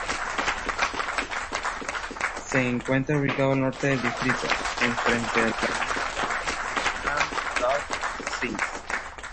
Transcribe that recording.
Se encuentra ubicado al norte del distrito, enfrente de la península Fischland-Darß-Zingst.